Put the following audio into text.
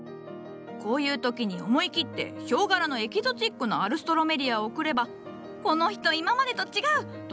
こういう時に思い切ってヒョウ柄のエキゾチックなアルストロメリアを贈れば「この人今までと違う！」となるじゃろうが！